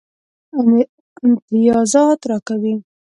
امتیازات راکوي.